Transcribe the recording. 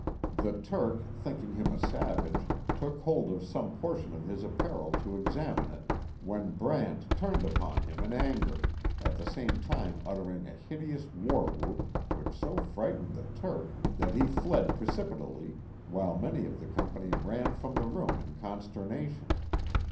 The Turk, thinking him a savage, took hold of some portion of his apparel to examine it, when Brant turned upon him in anger, at the same time uttering a hideous war whoop, w^hich so frightened the Turk that he fled precipitately, while many of the company ran from the room in consternation.